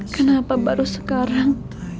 kenapa baru sekarang